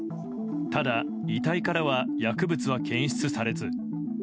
ただ、遺体からは薬物は検出されず。